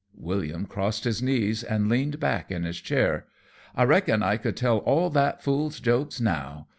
William crossed his knees and leaned back in his chair. "I reckon I could tell all that fool's jokes now.